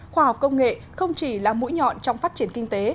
khoa học công nghệ không chỉ là mũi nhọn trong phát triển kinh tế